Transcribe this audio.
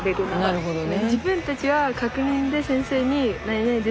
なるほどね。